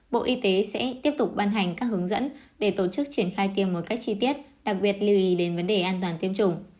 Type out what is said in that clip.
bộ y tế sẽ tiếp tục ban hành các hướng dẫn để tổ chức triển khai tiêm một cách chi tiết đặc biệt lưu ý đến vấn đề an toàn tiêm chủng